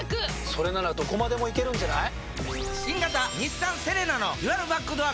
それならどこまでも行けるんじゃない？